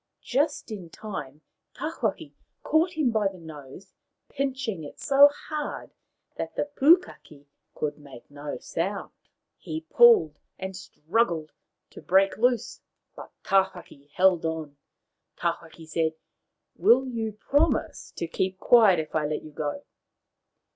Just in time Tawhaki caught him by the nose, pinching it so hard that the Pukaki could make no sound. 42 Maoriland Fairy Tales He pulled, and struggled to break loose, but Taw haki held on. Tawhaki said, " Will you promise to keep quiet if I let you go